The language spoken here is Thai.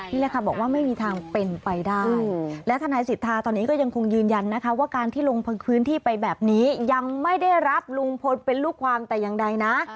นี่แหละค่ะบอกว่าไม่มีทางเป็นไปได้และทนายสิทธาตอนนี้ก็ยังคงยืนยันนะคะว่าการที่ลงพื้นที่ไปแบบนี้ยังไม่ได้รับลุงพลเป็นลูกความแต่อย่างใดนะ